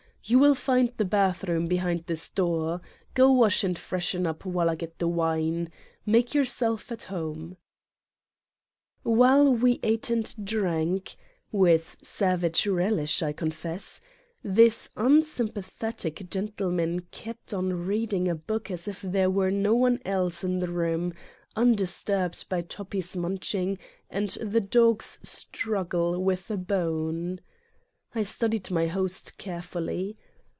You will find the bathroom behind this door. Go wash and freshen up while I get the wine. Make your self at home." 18 Satan's Diary While we ate and^ft wun. savage relish, I confess this unsympathf 4 V gentleman kept on reading a book as if there* were no one else in the room, undisturbed by Toppi's munching and the dog's struggle with a bone. I studied my host carefully.